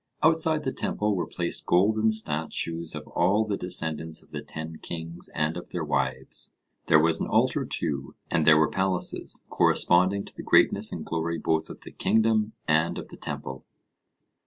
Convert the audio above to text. Outside the temple were placed golden statues of all the descendants of the ten kings and of their wives; there was an altar too, and there were palaces, corresponding to the greatness and glory both of the kingdom and of the temple.